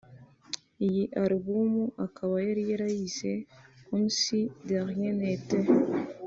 Iyi Alubum akaba yari yarayise Comme si de rien n’était